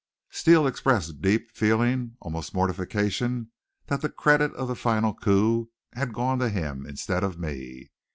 Steele expressed deep feeling, almost mortification, that the credit of that final coup had gone to him, instead of me.